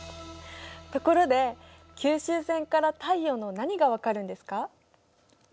ところで吸収線から太陽の何が分かるんですか？